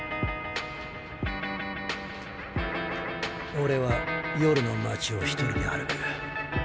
オレは夜の街を１人で歩く。